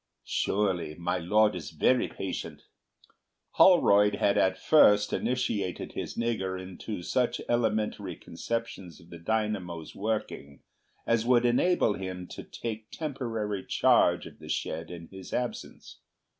"Surely my Lord is very patient." Holroyd had at first initiated his "nigger" into such elementary conceptions of the dynamo's working as would enable him to take temporary charge of the shed in his absence.